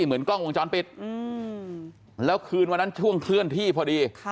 เหมือนกล้องวงจรปิดแล้วคืนวันนั้นช่วงเคลื่อนที่พอดี